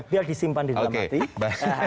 biar disimpan di dalam hati